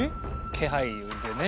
気配でね。